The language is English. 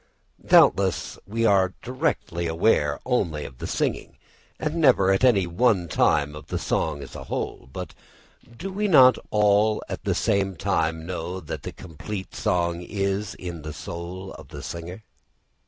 Doubtless we are directly aware only of the singing, and never at any one time of the song as a whole; but do we not all the time know that the complete song is in the soul of the singer?